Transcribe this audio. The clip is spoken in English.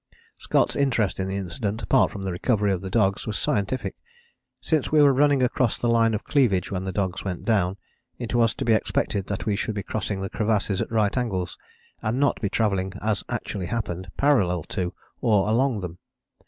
Scott's interest in the incident, apart from the recovery of the dogs, was scientific. Since we were running across the line of cleavage when the dogs went down, it was to be expected that we should be crossing the crevasses at right angles, and not be travelling, as actually happened, parallel to, or along them.